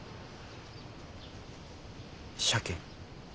鮭。